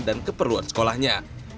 dan keperluan sekolahnya